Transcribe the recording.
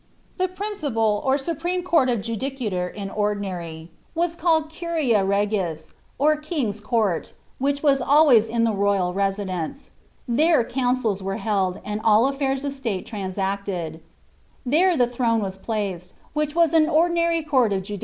* The principal or supreme court of judicature in ordinarv wri^ call«j earui regis,* or King's Court, which was always at the r<i\Ml There councils were held, and all affairs of state trnnsaclcil throne was placed, wliich was an ordinary court of judi.